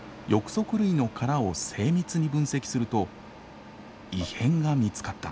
翼足類の殻を精密に分析すると異変が見つかった。